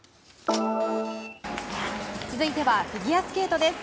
続いてはフィギュアスケートです。